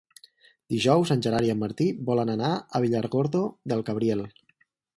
Dijous en Gerard i en Martí volen anar a Villargordo del Cabriel.